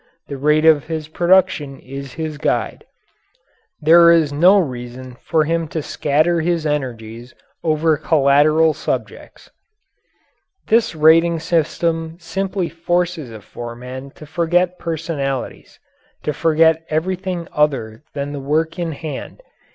The rate of his production is his guide. There is no reason for him to scatter his energies over collateral subjects. This rating system simply forces a foreman to forget personalities to forget everything other than the work in hand.